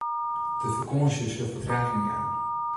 De fakânsje sil fertraging jaan.